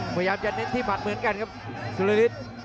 พยายามจะเน้นที่บัตรเหมือนกันครับสุรินิศ